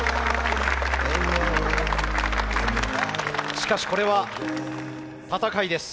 しかしこれは戦いです。